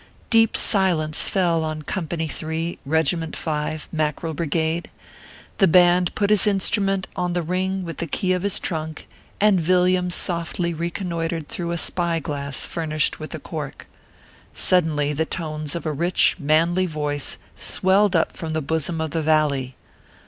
Deep silence fell on Company 3 ; Kegiment 5, Mackerel Brigade ; the band put his instrument on the ring with the key of his trunk, and Yilliam softly reconnoitred through a spy glass furnished with a cork. Suddenly the tones of a rich, manly voice swelled up from the bosom of the valley.